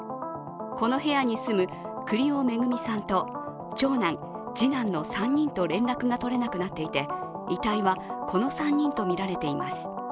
この部屋に住む栗尾惠さんと長男、次男の３人と連絡が取れなくなっていて遺体はこの３人とみられています。